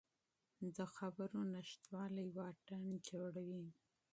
د خبرو نشتوالی واټن جوړوي